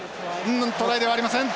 トライではありません。